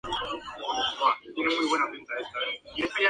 El grupo contó con la colaboración de Jan St.